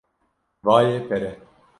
- Vaye pere.